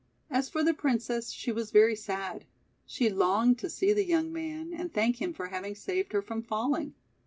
As for the Princess she was very sad. She longed to see the young man, and thank him for having saved her from falling.